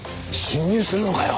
侵入するのかよ。